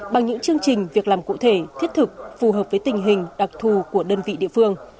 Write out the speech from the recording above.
bằng những chương trình việc làm cụ thể thiết thực phù hợp với tình hình đặc thù của đơn vị địa phương